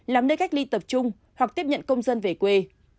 làm nơi cách ly tập trung hoặc tiếp nhận công dân về quê